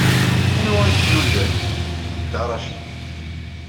Anwa ay k-yullen? D Dda Racid.